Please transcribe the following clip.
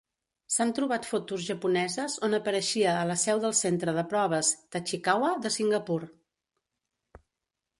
S'han trobat fotos japoneses on apareixia a la seu del centre de proves Tachikawa de Singapur.